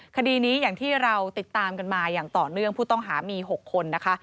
คดีนี้อย่างที่เราติดตามกันมาอย่างต่อเนื่องผู้ต้องหามี๖คนนะคะ